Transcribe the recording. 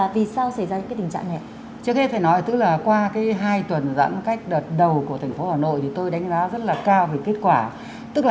và trong những ngày qua